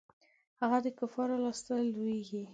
هغه د کفارو لاسته لویږي.